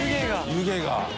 湯気が。